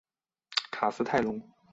卡斯泰龙。